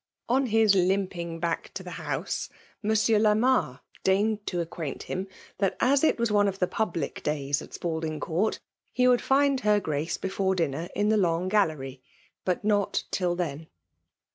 On his limping back to the home. Monsieur Lamame deigned to acquaint him that as it was one of the public days at Spalding Goofi, he "Would find her Gmce before dinner in the long gallery, but not till then.